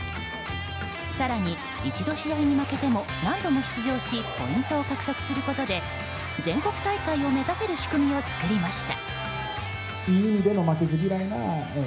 更に一度試合に負けても何度も試合に出場しポイントを獲得することで全国大会を目指せる仕組みを作りました。